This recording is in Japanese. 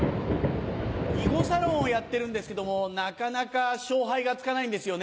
囲碁サロンをやってるんですけどなかなか勝敗がつかないんですよね。